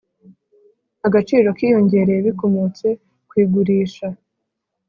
Agaciro kiyongereye bikomotse ku igurisha